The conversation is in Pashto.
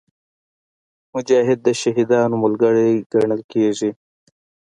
مجاهد د شهیدانو ملګری ګڼل کېږي.